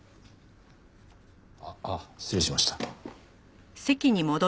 あっ失礼しました。